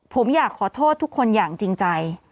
ผมอยากขอโทษทุกคนอย่างจริงใจ